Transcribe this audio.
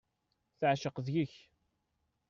Teεceq deg-k.